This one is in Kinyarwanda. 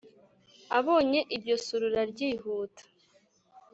abonye iryo surura ryihuta,